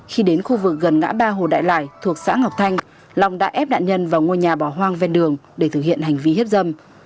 khi đến khu vực gần ngã ba hồ đại lài thuộc xã ngọc thanh long đã ép nạn nhân vào ngôi nhà bỏ hoang ven đường để thực hiện hành vi hiếp dâm